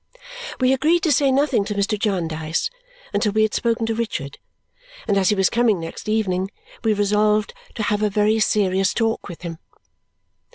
We agreed to say nothing to Mr. Jarndyce until we had spoken to Richard; and as he was coming next evening, we resolved to have a very serious talk with him.